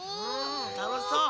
たのしそう！